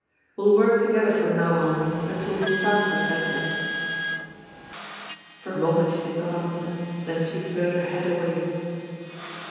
We'll work together from now on until we've found the Phantom." "For a moment she did not answer, then she turned her head away.